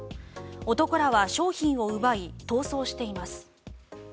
男らは商品を奪い逃走しています。